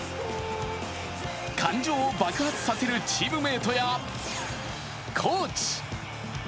感情を爆発させるチームメートやコーチ。